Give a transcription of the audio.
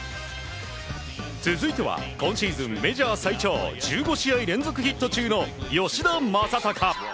続いては、今シーズンメジャー最長１５試合連続ヒット中の吉田正尚。